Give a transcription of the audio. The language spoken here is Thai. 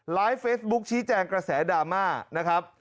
ไลค์เฟสบุ๊คชี้แจงกระแสดราม่า